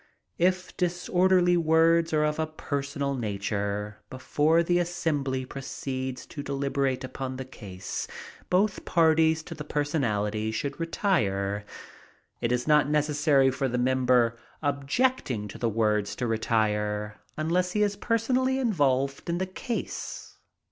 If the disorderly words are of a personal nature, before the assembly proceeds to deliberate upon the case, both parties to the personality should retire. It is not necessary for the member objecting to the words to retire, unless he is personally involved in the case.